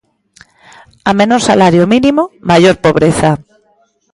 A menor salario mínimo, maior pobreza.